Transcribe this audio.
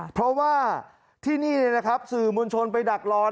เพราะว่าที่นี่สื่อมวลชนไปดักรอ